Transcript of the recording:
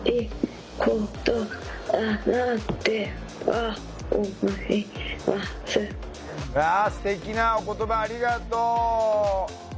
わあすてきなお言葉ありがとう。